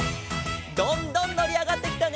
どんどんのりあがってきたね！